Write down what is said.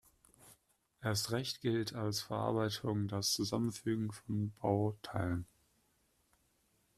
Erst recht gilt als Verarbeitung das Zusammenfügen von Bauteilen.